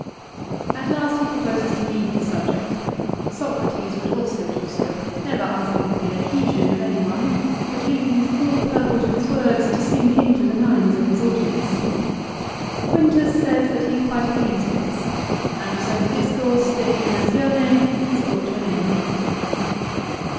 At last he proposes to leave the subject. Socrates would also do so, never asking for the adhesion of any one, but leaving the full purport of his words to sink into the minds of his audience. Quintus says that he quite agrees to this, and so the discourse " De Divinatione " is brought to an end.